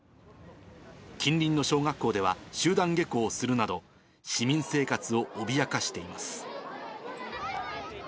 近隣の小学校では集団下校するなど、市民生活を脅かしています。